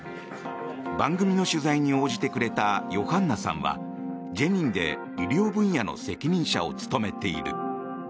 番組の取材に応じてくれたヨハンナさんはジェニンで医療分野の責任者を務めている。